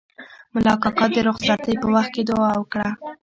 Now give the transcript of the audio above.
ملا کاکا د رخصتۍ په وخت کې دوعا وکړه.